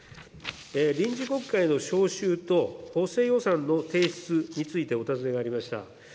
臨時国会の召集と補正予算の提出についてお尋ねがありました。